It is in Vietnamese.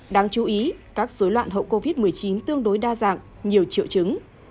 đáng chú ý các dối loạn hậu covid một mươi chín tương đối đa dạng nhiều triệu chứng